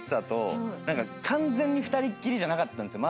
完全に２人っきりじゃなかったんですよ。